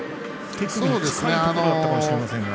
手首に近いところだったかもしれませんが。